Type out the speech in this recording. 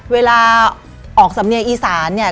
เวลาออกสำเนียงอีสานเนี่ย